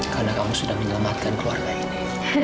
karena kamu sudah menyelamatkan keluarga ini